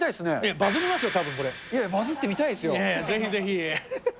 バズりますよ、たぶん、いやいや、バズってみたいでぜひぜひ。